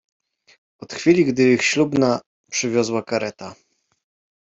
Od chwili, gdy ich ślubna przywiozła kareta